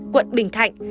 quận bình thạnh